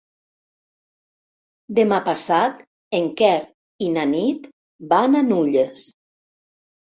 Demà passat en Quer i na Nit van a Nulles.